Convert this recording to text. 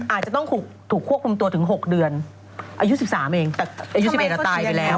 อาจจะต้องถูกควบคุมตัวถึง๖เดือนอายุ๑๓เองแต่อายุ๑๑ตายไปแล้ว